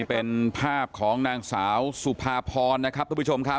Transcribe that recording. เป็นภาพของนางสาวสุภาพรนะครับทุกผู้ชมครับ